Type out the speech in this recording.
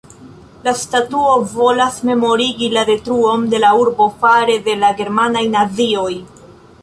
La statuo volas memorigi la detruon de la urbo fare de la germanaj nazioj.